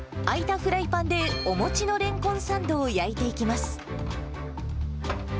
空いたフライパンでお餅のレンコンサンドを焼いていきます。